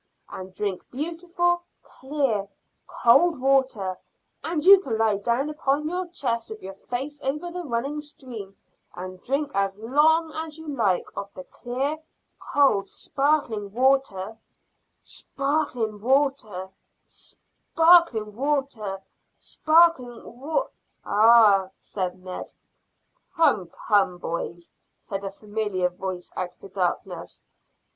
And drink beautiful, clear, cold water and you can lie down upon your chest with your face over the running stream, and drink as long as you like of the clear, cold, sparkling water sparkling water sparkling water sparkling wa " "Ah!" said Ned. "Come, boys; come, boys!" said a familiar voice out of the darkness.